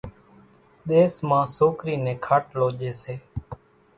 ۮيس مان سوڪرِي نين کاٽلو ڄيَ سي۔